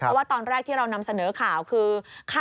เพราะว่าตอนแรกที่เรานำเสนอข่าวคือ